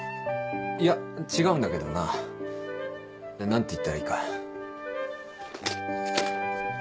いや違うんだけどな何て言ったらいいか。